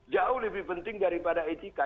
jauh lebih penting daripada etika